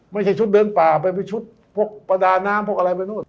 ไม่ใช่ชุดเดินป่าไปเป็นชุดพวกประดาน้ำพวกอะไรไปนู่น